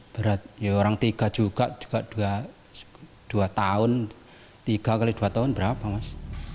berat ya orang tiga juga dua tahun tiga x dua tahun berapa mas